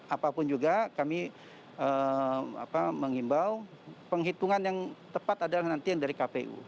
apapun juga kami menghimbau penghitungan yang tepat adalah nantian dari kpu